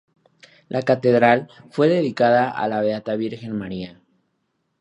La catedral fue dedicada a la Beata Virgen María.